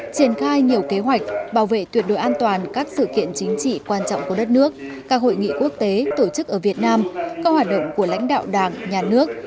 triển khai nhiều kế hoạch bảo vệ tuyệt đối an toàn các sự kiện chính trị quan trọng của đất nước các hội nghị quốc tế tổ chức ở việt nam các hoạt động của lãnh đạo đảng nhà nước